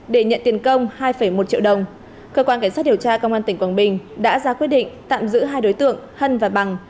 để nhận tiền công hai một triệu đồng cơ quan cảnh sát điều tra công an tỉnh quảng bình đã ra quyết định tạm giữ hai đối tượng hân và bằng